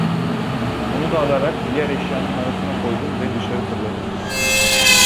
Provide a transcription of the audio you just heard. Onu da alarak diğer eşyanın arasına koydum ve dışarı fırladım.